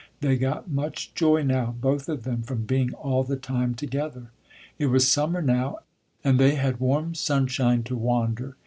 They got much joy now, both of them, from being all the time together. It was summer now, and they had warm sunshine to wander.